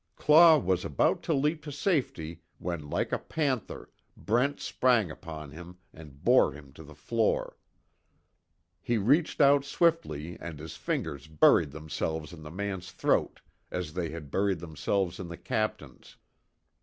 Claw was about to leap to safety when like a panther Brent sprang upon him, and bore him to the floor. He reached out swiftly and his fingers buried themselves in the man's throat as they had buried themselves in the Captain's.